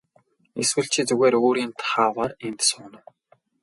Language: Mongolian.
Эсвэл чи зүгээр өөрийн тааваар энд сууна уу.